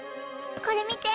これ見て。